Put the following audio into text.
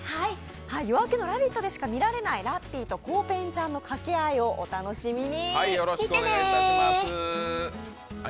「夜明けのラヴィット！」でしか見られないラッピーとコウペンちゃんの掛け合いをお楽しみに！